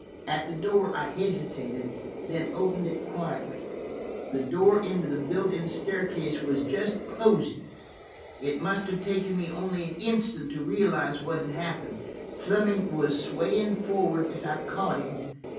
At the door I hesitated, then opened it quietly. The door into the built in staircase was just closing. It must have taken me only an instant to realize what had happened. Fleming was swaying forward as I caught him.